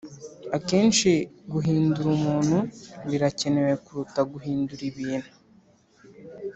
“akenshi guhindura umuntu birakenewe kuruta guhindura ibintu.